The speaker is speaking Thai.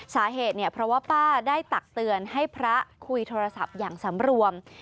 สาเหตุเนี่ยเพราะว่าป้าได้ตักเตือนให้พระคุยโทรศัพท์อย่างสำรวม